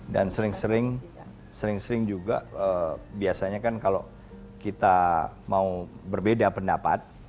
dan sering sering sering sering juga biasanya kan kalau kita mau berbeda pendapat